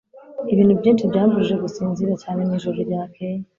Ibintu byinshi byambujije gusinzira cyane mwijoro ryakeye